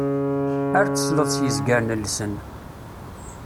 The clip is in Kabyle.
Ar tesleḍ s yizgaren llsen.